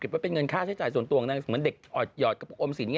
ว่าเป็นเงินค่าใช้จ่ายส่วนตัวของนางเหมือนเด็กหอดกระปุกออมสิน